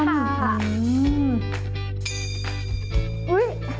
คุณประนอมค่ะ